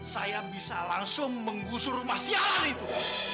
saya bisa langsung menggusur rumah siar itu